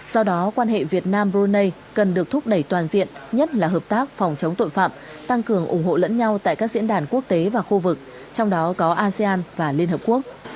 do đó quan hệ việt nam brunei cần được thúc đẩy toàn diện nhất là hợp tác phòng chống tội phạm tăng cường ủng hộ lẫn nhau tại các diễn đàn quốc tế và khu vực trong đó có asean và liên hợp quốc